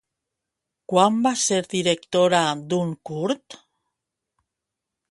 Quan va ser directora d'un curt?